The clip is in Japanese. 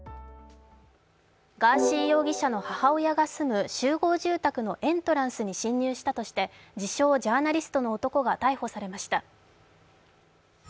ガーシー容疑者の母親が住む集合住宅のエントランスに侵入したとして自称・ジャーナリストの男が逮捕されました。